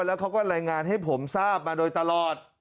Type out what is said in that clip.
แล้วเขาก็รายงานให้ผมทราบมาโดยตลอด